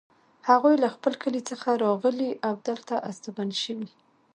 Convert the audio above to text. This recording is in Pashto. هغوی له خپل کلي څخه راغلي او دلته استوګن شوي